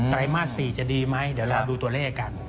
ไรมาส๔จะดีไหมเดี๋ยวเราดูตัวเลขกัน